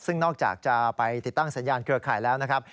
ซึ่งนอกจากจะไปติดตั้งสัญญาณเครือข่ายแล้วนะครับ